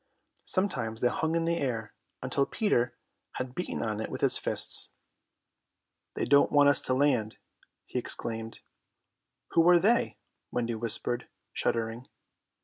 Sometimes they hung in the air until Peter had beaten on it with his fists. "They don't want us to land," he explained. "Who are they?" Wendy whispered, shuddering.